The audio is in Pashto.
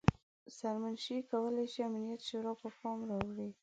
سرمنشي کولای شي امنیت شورا پام راواړوي.